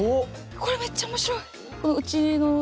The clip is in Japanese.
これめっちゃ面白い。